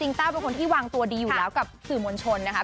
ต้าเป็นคนที่วางตัวดีอยู่แล้วกับสื่อมวลชนนะคะ